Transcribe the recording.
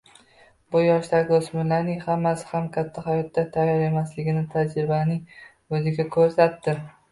Bu yoshdagi oʻsmirlarning hammasi ham katta hayotga tayyor emasligini tajribaning oʻzi koʻrsatdi.